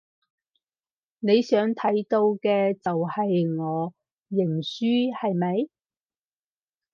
你想睇到嘅就係我認輸，係咪？